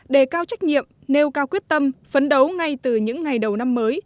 đề cao trách nhiệm nêu cao quyết tâm phấn đấu ngay từ những ngày đầu năm mới